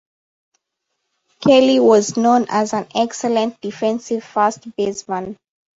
Kelly was known as an excellent defensive first baseman.